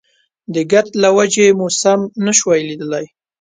د ګرد له وجې مو سم نه شو ليدلی.